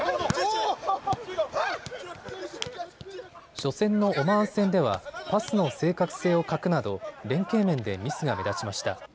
初戦のオマーン戦ではパスの正確性を欠くなど連係面でミスが目立ちました。